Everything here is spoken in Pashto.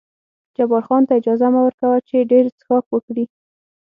جبار خان ته اجازه مه ور کوه چې ډېر څښاک وکړي.